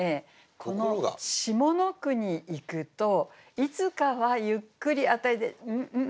この下の句にいくと「いつかはゆっくり」辺りでん？